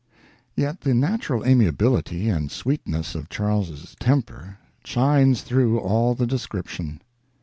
Yet the natural amiability and sweetness of Charles's temper shines through all the description.